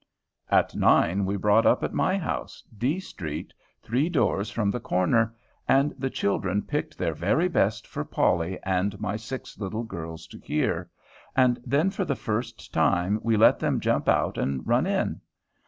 At nine we brought up at my house, D Street, three doors from the corner, and the children picked their very best for Polly and my six little girls to hear, and then for the first time we let them jump out and run in.